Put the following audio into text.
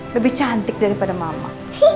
lebih cantik daripada mama